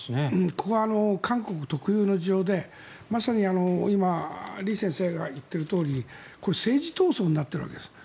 これは韓国特有の事情でまさに今李先生が言っているとおりこれ、政治闘争になっているわけです。